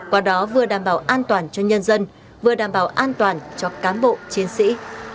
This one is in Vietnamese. qua đó vừa đảm bảo an toàn cho nhân dân vừa đảm bảo an toàn cho cán bộ chiến sĩ